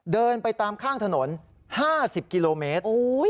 เดินไปตามข้างถนน๕๐กิโลเมตร